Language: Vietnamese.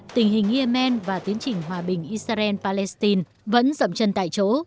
tình hình yemen và tiến trình hòa bình israel palestine vẫn dậm chân tại chỗ